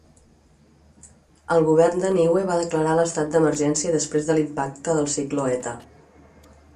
El govern de Niue va declarar l'estat d'emergència després de l'impacte del cicló Heta.